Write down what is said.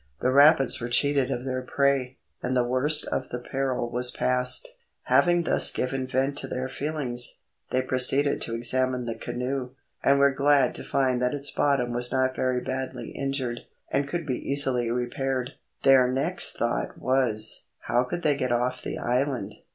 The rapids were cheated of their prey, and the worst of the peril was passed. Having thus given vent to their feelings, they proceeded to examine the canoe, and were glad to find that its bottom was not very badly injured, and could be easily repaired. Their next thought was, how could they get off the island?